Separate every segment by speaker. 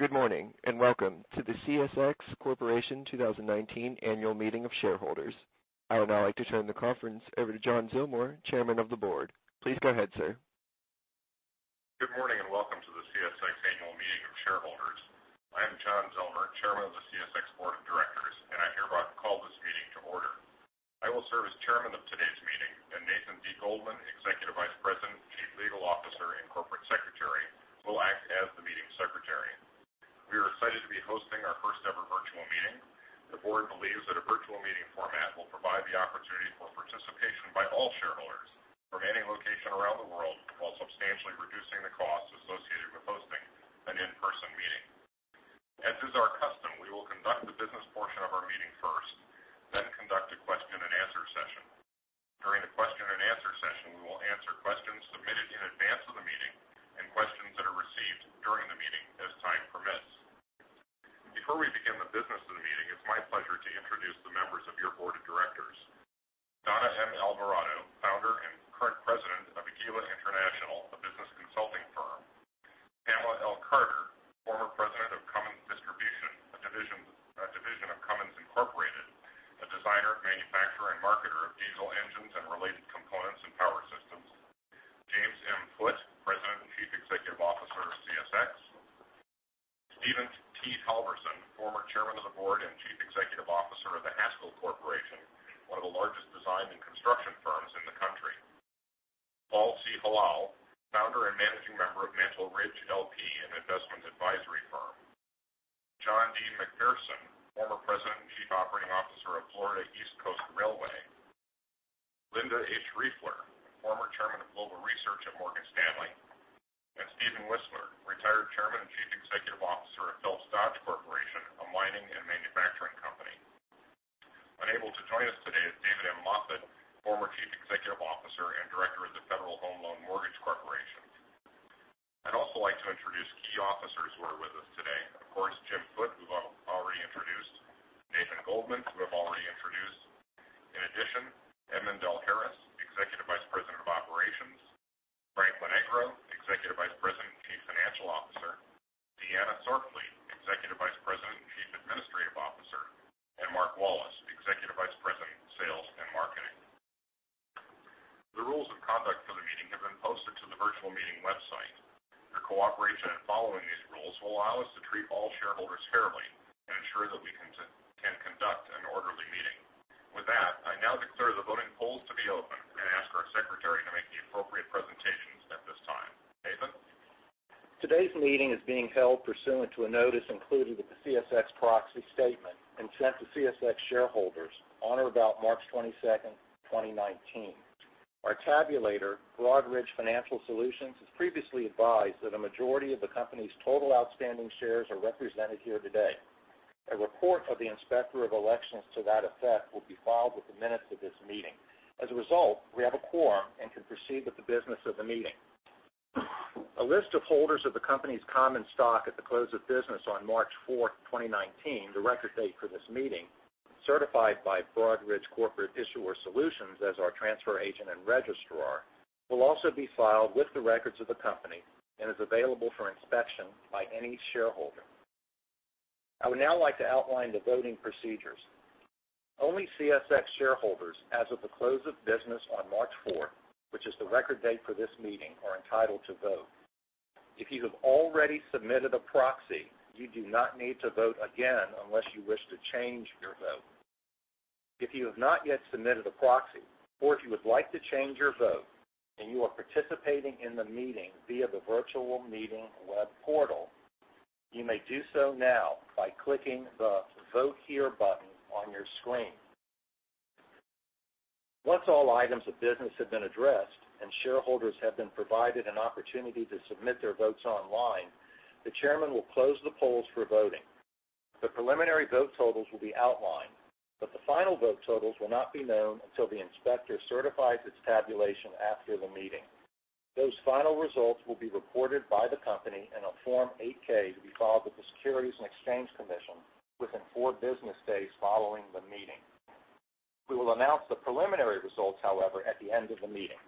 Speaker 1: Good morning, and welcome to the CSX Corporation 2019 Annual Meeting of Shareholders. I would now like to turn the conference over to John Zillmer, Chairman of the Board. Please go ahead, sir.
Speaker 2: Good morning, and welcome to the CSX Annual Meeting of Shareholders. I'm John Zillmer, Chairman of the CSX Board of Directors, and I hereby call this meeting to order. I will serve as chairman of today's meeting, and Nathan D. Goldman, Executive Vice President, Chief Legal Officer, and Corporate Secretary, will act as the meeting secretary. We are excited to be hosting our first-ever virtual meeting. The board believes that a virtual meeting format will provide the opportunity for participation by all shareholders from any location around the world while substantially reducing the costs associated with hosting an in-person meeting. As is our custom, former president and chief operating officer of Florida East Coast Railway. Linda H. Riefler, former chairman of Global Research at Morgan Stanley, and Steven Whisler, retired chairman and chief executive officer of Phelps Dodge Corporation, a mining and manufacturing company. Unable to join us today is David M. Moffett, former chief executive officer and director of the Federal Home Loan Mortgage Corporation. I'd also like to introduce key officers who are with us today. Of course, Jim Foote, who I've already introduced, Nathan Goldman, who I've already introduced. In addition, Edmond L. Harris, Executive Vice President of Operations, Frank Lonegro, Executive Vice President and Chief Financial Officer, Diana Sorfleet, Executive Vice President and Chief Administrative Officer, and Mark Wallace, Executive Vice President of Sales and Marketing. The rules of conduct for the meeting have been posted to the virtual meeting website. Your cooperation in following these rules will allow us to treat all shareholders fairly and ensure that we can conduct an orderly meeting. With that, I now declare the voting polls to be open and ask our secretary to make the appropriate presentations at this time. Nathan?
Speaker 1: Today's meeting is being held pursuant to a notice included with the CSX proxy statement and sent to CSX shareholders on or about March 22nd, 2019. Our tabulator, Broadridge Financial Solutions, has previously advised that a majority of the company's total outstanding shares are represented here today. A report of the Inspector of Elections to that effect will be filed with the minutes of this meeting. As a result, we have a quorum and can proceed with the business of the meeting. A list of holders of the company's common stock at the close of business on March 4th, 2019, the record date for this meeting, certified by Broadridge Corporate Issuer Solutions as our transfer agent and registrar, will also be filed with the records of the company and is available for inspection by any shareholder. I would now like to outline the voting procedures. Only CSX shareholders as of the close of business on March 4th, which is the record date for this meeting, are entitled to vote. If you have already submitted a proxy, you do not need to vote again unless you wish to change your vote. If you have not yet submitted a proxy or if you would like to change your vote and you are participating in the meeting via the virtual meeting web portal, you may do so now by clicking the Vote Here button on your screen. Once all items of business have been addressed and shareholders have been provided an opportunity to submit their votes online, the chairman will close the polls for voting. The preliminary vote totals will be outlined, but the final vote totals will not be known until the inspector certifies its tabulation after the meeting. Those final results will be reported by the company in a Form 8-K to be filed with the Securities and Exchange Commission within four business days following the meeting. We will announce the preliminary results, however, at the end of the meeting.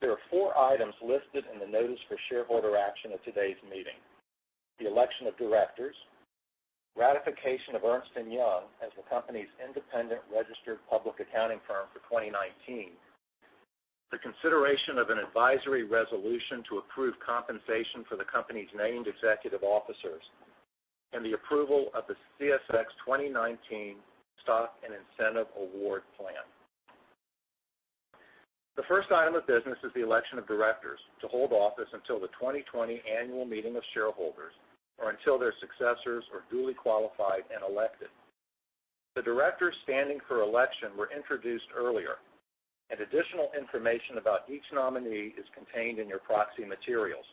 Speaker 1: There are four items listed in the notice for shareholder action at today's meeting: the election of directors, ratification of Ernst & Young as the company's independent registered public accounting firm for 2019, the consideration of an advisory resolution to approve compensation for the company's named executive officers, and the approval of the CSX 2019 Stock and Incentive Award Plan. The first item of business is the election of directors to hold office until the 2020 annual meeting of shareholders or until their successors are duly qualified and elected. The directors standing for election were introduced earlier, and additional information about each nominee is contained in your proxy materials.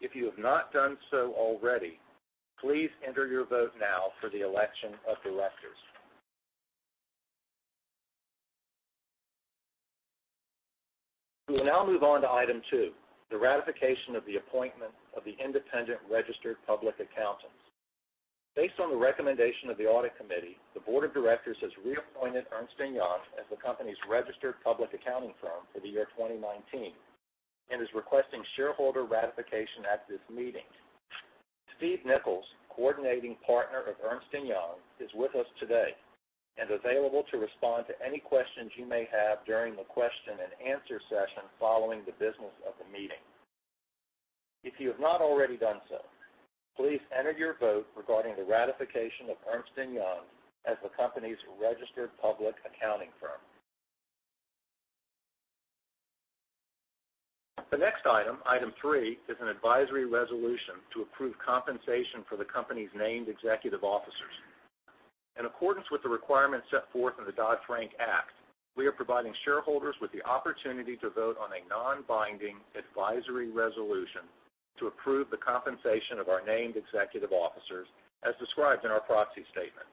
Speaker 1: If you have not done so already, please enter your vote now for the election of directors. We will now move on to item 2, the ratification of the appointment of the independent registered public accountants. Based on the recommendation of the audit committee, the board of directors has reappointed Ernst & Young as the company's registered public accounting firm for the year 2019 and is requesting shareholder ratification at this meeting. Steve Nichols, Coordinating Partner of Ernst & Young, is with us today and available to respond to any questions you may have during the question and answer session following the business of the meeting. If you have not already done so, please enter your vote regarding the ratification of Ernst & Young as the company's registered public accounting firm. The next item 3, is an advisory resolution to approve compensation for the company's named executive officers. In accordance with the requirements set forth in the Dodd-Frank Act, we are providing shareholders with the opportunity to vote on a non-binding advisory resolution to approve the compensation of our named executive officers, as described in our proxy statement.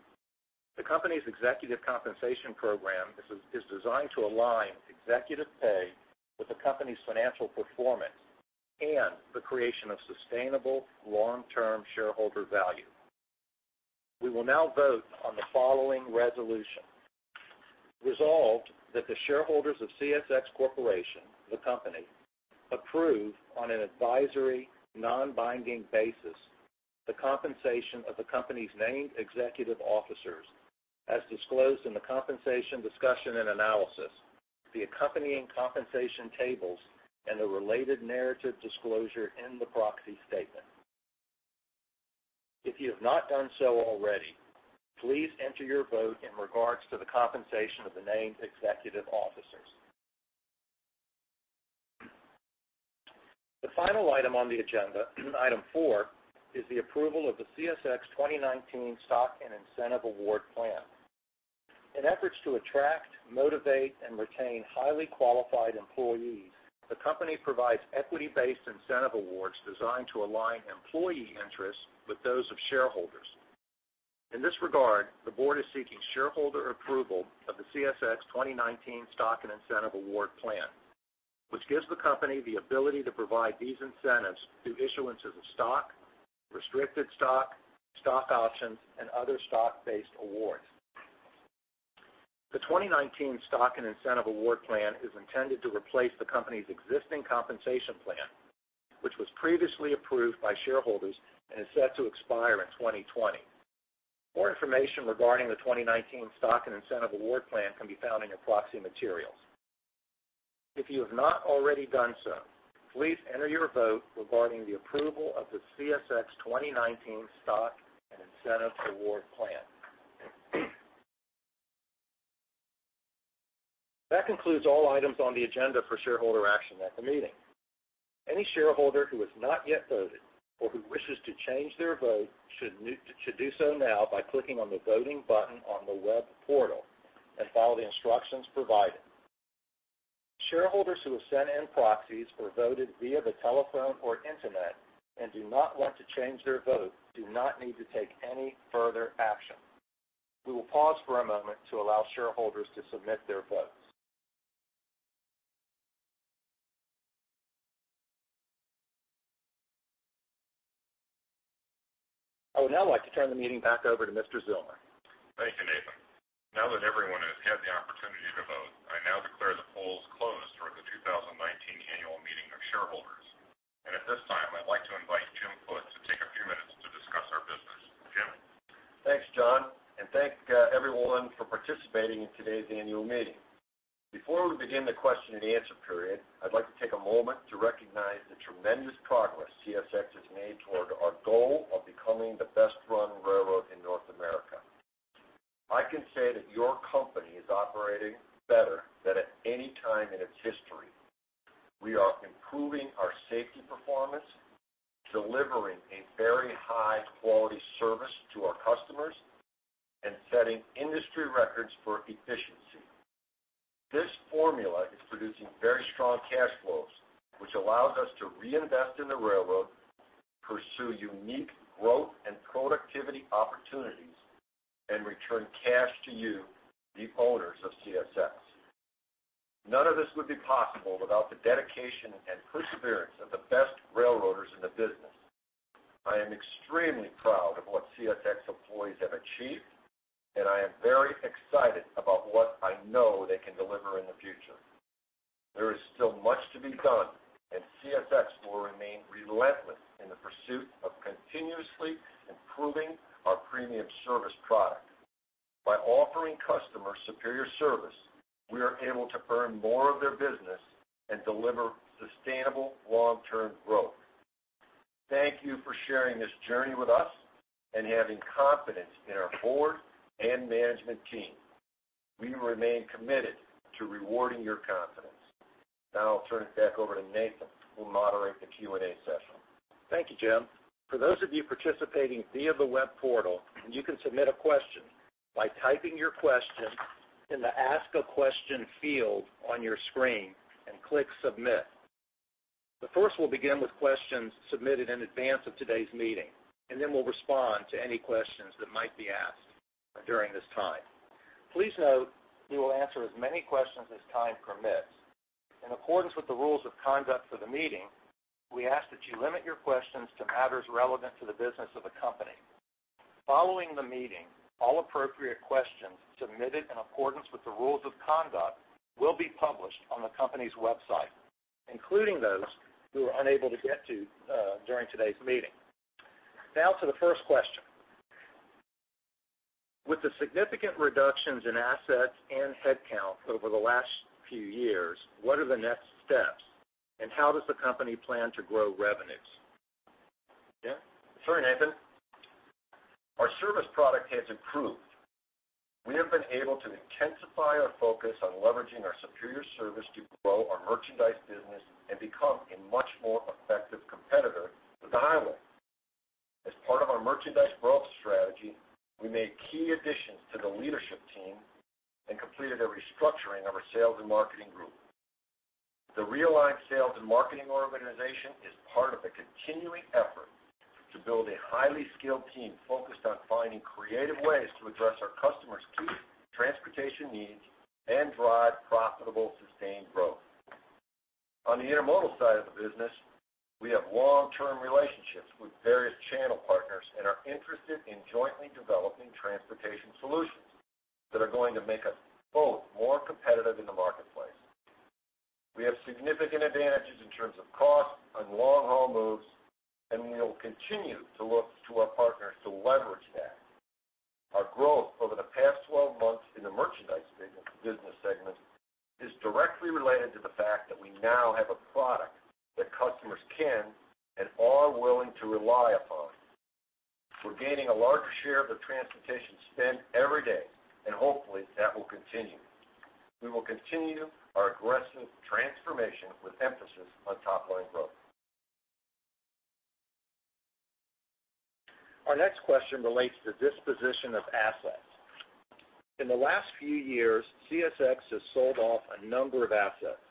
Speaker 1: The company's executive compensation program is designed to align executive pay with the company's financial performance and the creation of sustainable long-term shareholder value. We will now vote on the following resolution. Resolved that the shareholders of CSX Corporation, the company, approve on an advisory, non-binding basis the compensation of the company's named executive officers as disclosed in the compensation discussion and analysis, the accompanying compensation tables, and the related narrative disclosure in the proxy statement. If you have not done so already, please enter your vote in regards to the compensation of the named executive officers. The final item on the agenda, item 4, is the approval of the CSX 2019 Stock and Incentive Award Plan. In efforts to attract, motivate, and retain highly qualified employees, the company provides equity-based incentive awards designed to align employee interests with those of shareholders. In this regard, the board is seeking shareholder approval of the CSX 2019 Stock and Incentive Award Plan, which gives the company the ability to provide these incentives through issuances of stock, restricted stock options, and other stock-based awards. The 2019 Stock and Incentive Award Plan is intended to replace the company's existing compensation plan, which was previously approved by shareholders and is set to expire in 2020. More information regarding the 2019 Stock and Incentive Award Plan can be found in your proxy materials. If you have not already done so, please enter your vote regarding the approval of the CSX 2019 Stock and Incentive Award Plan. That concludes all items on the agenda for shareholder action at the meeting. Any shareholder who has not yet voted or who wishes to change their vote should do so now by clicking on the voting button on the web portal and follow the instructions provided. Shareholders who have sent in proxies or voted via the telephone or internet and do not want to change their vote do not need to take any further action. We will pause for a moment to allow shareholders to submit their votes. I would now like to turn the meeting back over to Mr. Zillmer.
Speaker 2: Thank you, Nathan. Now that everyone has had the opportunity to vote, I now declare the polls closed for the 2019 Annual Meeting of Shareholders. At this time, I'd like to invite Jim Foote to take a few minutes to discuss our business. Jim.
Speaker 3: Thanks, John, thank everyone for participating in today's annual meeting. Before we begin the question and answer period, I'd like to take a moment to recognize the tremendous progress CSX has made toward our goal of becoming the best-run railroad in North America. I can say that your company is operating better than at any time in its history. We are improving our safety performance, delivering a very high-quality service to our customers, and setting industry records for efficiency. This formula is producing very strong cash flows, which allows us to reinvest in the railroad, pursue unique growth and productivity opportunities, and return cash to you, the owners of CSX. None of this would be possible without the dedication and perseverance of the best railroaders in the business. I am extremely proud of what CSX employees have achieved, I am very excited about what I know they can deliver in the future. There is still much to be done, CSX will remain relentless in the pursuit of continuously improving our premium service product. By offering customers superior service, we are able to earn more of their business and deliver sustainable long-term growth. Thank you for sharing this journey with us and having confidence in our board and management team. We remain committed to rewarding your confidence. Now I'll turn it back over to Nathan, who will moderate the Q&A session.
Speaker 1: Thank you, Jim. For those of you participating via the web portal, you can submit a question by typing your question in the Ask a Question field on your screen and click Submit. First, we'll begin with questions submitted in advance of today's meeting, then we'll respond to any questions that might be asked during this time. Please note we will answer as many questions as time permits. In accordance with the rules of conduct for the meeting, we ask that you limit your questions to matters relevant to the business of the company. Following the meeting, all appropriate questions submitted in accordance with the rules of conduct will be published on the company's website, including those we were unable to get to during today's meeting. Now to the first question. With the significant reductions in assets and headcount over the last few years, what are the next steps, and how does the company plan to grow revenues? Jim?
Speaker 3: Sure, Nathan. Our service product has improved. We have been able to intensify our focus on leveraging our superior service to grow our merchandise business and become a much more effective competitor with the highway. As part of our merchandise growth strategy, we made key additions to the leadership team and completed a restructuring of our sales and marketing group. The realigned sales and marketing organization is part of a continuing effort to build a highly skilled team focused on finding creative ways to address our customers' key transportation needs and drive profitable, sustained growth. On the intermodal side of the business, we have long-term relationships with various channel partners and are interested in jointly developing transportation solutions that are going to make us both more competitive in the marketplace. We have significant advantages in terms of cost on long-haul moves. We will continue to look to our partners to leverage that. Our growth over the past 12 months in the merchandise business segment is directly related to the fact that we now have a product that customers can and are willing to rely upon. We're gaining a larger share of the transportation spend every day, hopefully, that will continue. We will continue our aggressive transformation with emphasis on top-line growth.
Speaker 1: Our next question relates to disposition of assets. In the last few years, CSX has sold off a number of assets.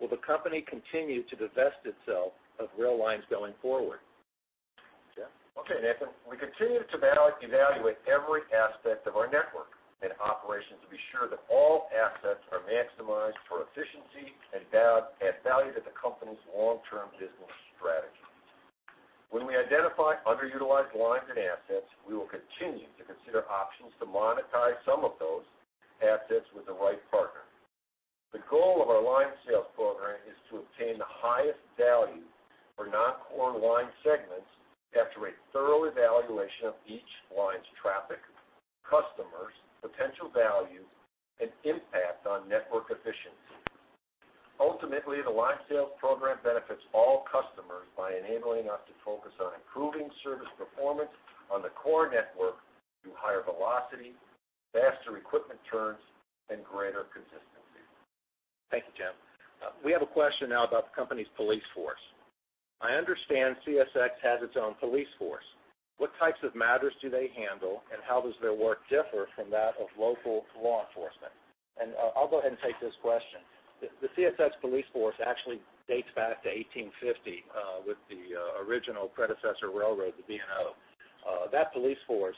Speaker 1: Will the company continue to divest itself of rail lines going forward? Jim?
Speaker 3: Okay, Nathan. We continue to evaluate every aspect of our network and operations to be sure that all assets are maximized for efficiency and add value to the company's long-term business strategy. When we identify underutilized lines and assets, we will continue to consider options to monetize some of those assets with the right partner. The goal of our line sales program is to obtain the highest value for non-core line segments after a thorough evaluation of each line's traffic, customers, potential value, and impact on network efficiency. Ultimately, the line sales program benefits all customers by enabling us to focus on improving service performance on the core network through higher velocity, faster equipment turns, and greater consistency.
Speaker 1: Thank you, Jim. We have a question now about the company's police force. I understand CSX has its own police force. What types of matters do they handle, and how does their work differ from that of local law enforcement? I'll go ahead and take this question. The CSX Police force actually dates back to 1850 with the original predecessor railroad, the B&O. That Police force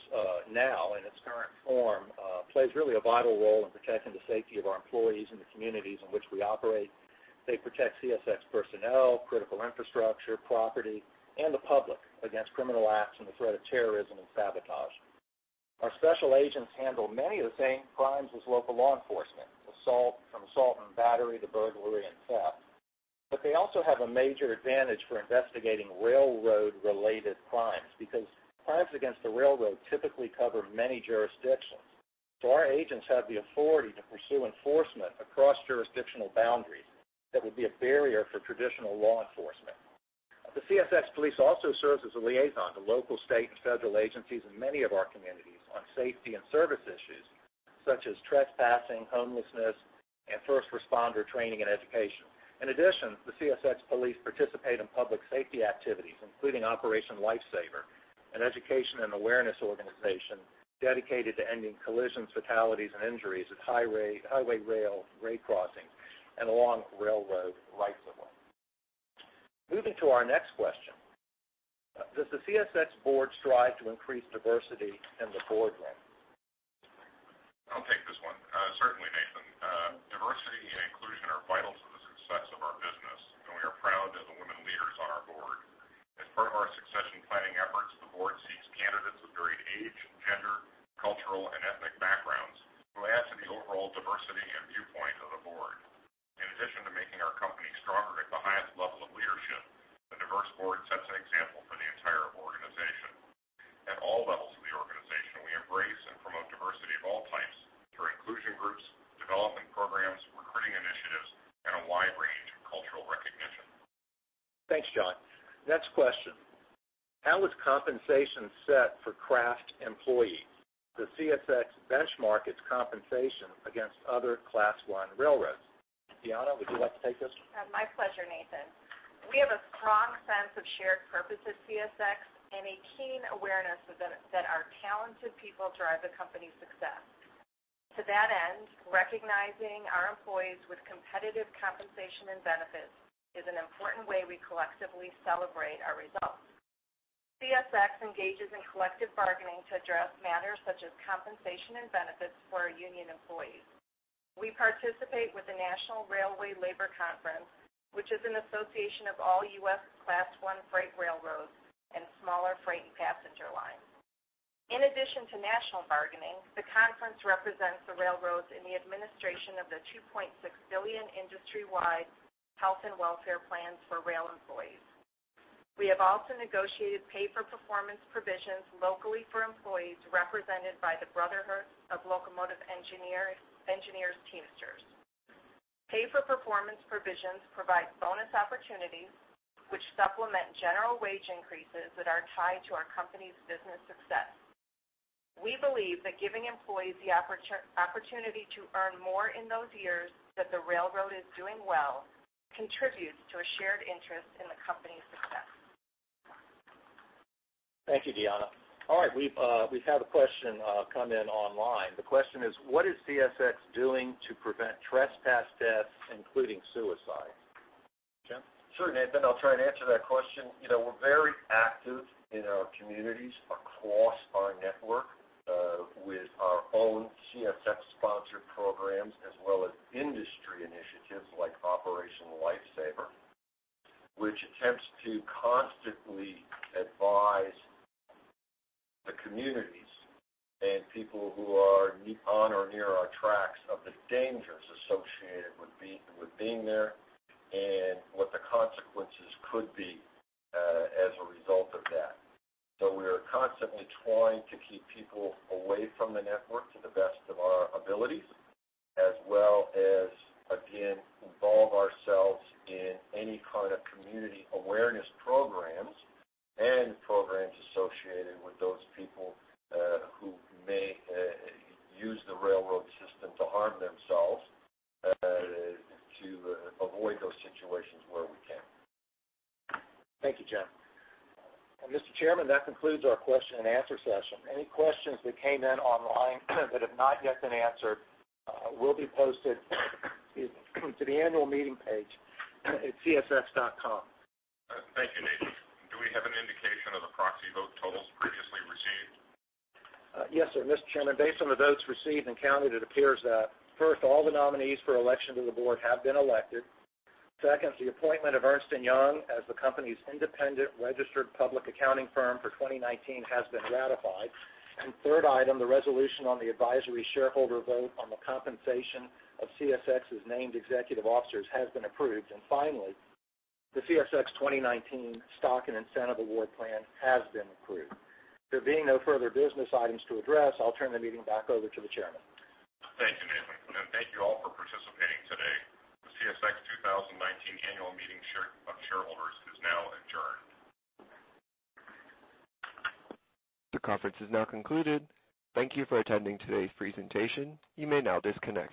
Speaker 1: now, in its current form, plays really a vital role in protecting the safety of our employees and the communities in which we operate. They protect CSX personnel, critical infrastructure, property, and the public against criminal acts and the threat of terrorism and sabotage. Our special agents handle many of the same crimes as local law enforcement, from assault and battery to burglary and theft. They also have a major advantage for investigating railroad-related crimes, because crimes against the railroad typically cover many jurisdictions. Our agents have the authority to pursue enforcement across jurisdictional boundaries that would be a barrier for traditional law enforcement. The CSX Police also serves as a liaison to local, state, and federal agencies in many of our communities on safety and service issues such as trespassing, homelessness, and first responder training and education. In addition, the CSX Police participate in public safety activities, including Operation Lifesaver, an education and awareness organization dedicated to ending collisions, fatalities, and injuries at highway-rail grade crossings and along railroad rights-of-way. Moving to our next question, does the CSX board strive to increase diversity in the boardroom?
Speaker 2: I'll take this one. Certainly, Nathan. Diversity and inclusion are vital to the success of our business. We are proud of the women leaders on our board. As part of our succession planning efforts, the board seeks candidates of varied age, gender, cultural, and ethnic backgrounds who add to the overall diversity and viewpoint of the board. In addition to making our company stronger at the highest level of leadership, a diverse board sets an example for the entire organization. At all levels of the organization, we embrace and promote diversity of all types through inclusion groups, development programs, recruiting initiatives, and a wide range of cultural recognition.
Speaker 1: Thanks, John. Next question: How is compensation set for craft employees? Does CSX benchmark its compensation against other Class I railroads? Diana, would you like to take this?
Speaker 4: My pleasure, Nathan. We have a strong sense of shared purpose at CSX and a keen awareness that our talented people drive the company's success. To that end, recognizing our employees with competitive compensation and benefits is an important way we collectively celebrate our results. CSX engages in collective bargaining to address matters such as compensation and benefits for our union employees. We participate with the National Railway Labor Conference, which is an association of all U.S. Class I freight railroads and smaller freight and passenger lines. In addition to national bargaining, the conference represents the railroads in the administration of the $2.6 billion industry-wide health and welfare plans for rail employees. We have also negotiated pay-for-performance provisions locally for employees represented by the Brotherhood of Locomotive Engineers and Trainmen. Pay-for-performance provisions provide bonus opportunities, which supplement general wage increases that are tied to our company's business success. We believe that giving employees the opportunity to earn more in those years that the railroad is doing well contributes to a shared interest in the company's success.
Speaker 1: Thank you, Diana. All right. We've had a question come in online. The question is, what is CSX doing to prevent trespass deaths, including suicide? Jim?
Speaker 3: Sure, Nathan, I'll try and answer that question. We're very active in our communities across our network, with our own CSX-sponsored programs, as well as industry initiatives like Operation Lifesaver, which attempts to constantly advise the communities and people who are on or near our tracks of the dangers associated with being there and what the consequences could be as a result of that. We are constantly trying to keep people away from the network to the best of our abilities, as well as, again, involve ourselves in any kind of community awareness programs and programs associated with those people who may use the railroad system to harm themselves, to avoid those situations where we can.
Speaker 1: Thank you, Jim. Mr. Chairman, that concludes our question and answer session. Any questions that came in online that have not yet been answered will be posted to the annual meeting page at csx.com.
Speaker 2: Thank you, Nathan. Do we have an indication of the proxy vote totals previously received?
Speaker 1: Yes, sir, Mr. Chairman, based on the votes received and counted, it appears that, first, all the nominees for election to the board have been elected. Second, the appointment of Ernst & Young as the company's independent registered public accounting firm for 2019 has been ratified. Third item, the resolution on the advisory shareholder vote on the compensation of CSX's named executive officers has been approved. Finally, the CSX 2019 Stock and Incentive Award Plan has been approved. There being no further business items to address, I'll turn the meeting back over to the chairman.
Speaker 2: Thank you, Nathan, and thank you all for participating today. The CSX 2019 annual meeting of shareholders is now adjourned.
Speaker 5: The conference is now concluded. Thank you for attending today's presentation. You may now disconnect.